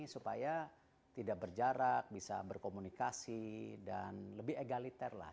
supaya tidak berjarak bisa berkomunikasi dan lebih egaliter lah